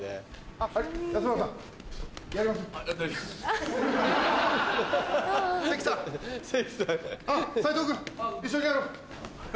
あっ斉藤君一緒にやろう。